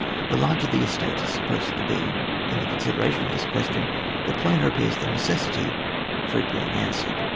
The larger the state is supposed to be in the consideration of this question, the plainer appears the necessity for its being an swered.